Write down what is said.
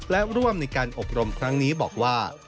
และร่วมในการอบรมครั้งนี้บอกว่า